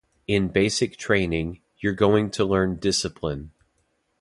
In Basic Training, you’re going to learn discipline.